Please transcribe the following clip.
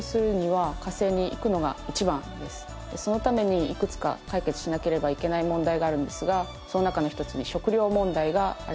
そのためにいくつか解決しなければいけない問題があるんですがその中の一つに食糧問題があります。